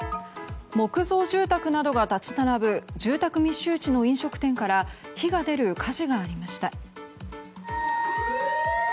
木造住宅などが立ち並ぶ住宅密集地の飲食店から火が出る火事がありました。